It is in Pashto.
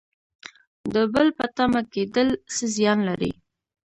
د بل په تمه کیدل څه زیان لري؟